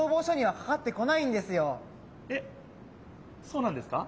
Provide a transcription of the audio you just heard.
えっそうなんですか？